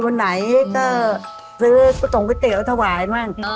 วันไหนสื่อตนบิเตียทเท่า่วายแล้ว